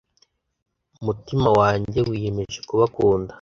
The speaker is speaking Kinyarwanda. mutima wanjye wiyemeje kubakunda